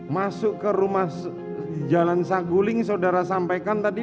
masuk ke rumah jalan saguling saudara sampaikan tadi dua ribu dua puluh satu